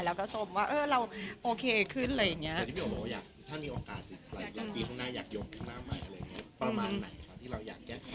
แล้วก็ชมว่าเออเราโอเคขึ้นอะไรอย่างเงี้ย